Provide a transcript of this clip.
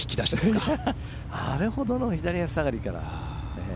あれほどの左下がりから。